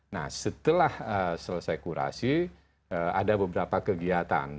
nah setelah selesai kurasi ada beberapa kegiatan